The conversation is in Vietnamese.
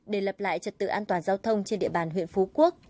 để lập lại trật tự an toàn giao thông trên địa bàn huyện phú quốc